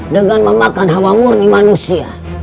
dengan memakan hawa murni manusia